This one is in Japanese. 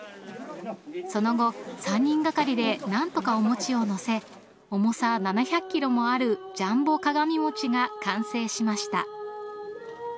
その後、３人がかりで何とかお餅を載せ重さ７００ｋｇもあるジャンボ鏡餅が完成しました。